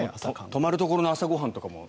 泊まるところの朝ご飯とかも。